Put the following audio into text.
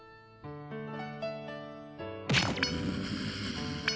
うん。